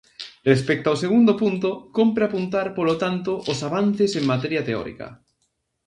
Respecto ao segundo punto, cómpre apuntar polo tanto os avances en materia teórica.